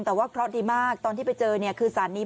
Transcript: แต่ว่าเขาดีมากตอนที่ไปเจอคือสารนี้